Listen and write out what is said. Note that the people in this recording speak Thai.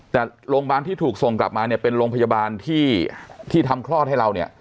แต่โรงพยาบาลที่ถูกส่งกลับมาเนี่ยเป็นโรงพยาบาลที่ทำคลอดให้เราเนี่ย